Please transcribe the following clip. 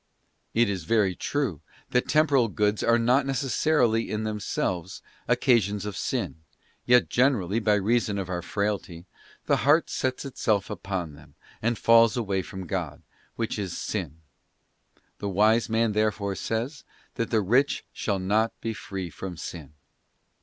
'* It is very true that temporal goods are not necessarily, in themselves, occa sions of sin, yet generally, by reason of our frailty, the heart sets itself upon them, and falls away from God, which is sin. The wise man therefore says, that the rich shall not be free from sin.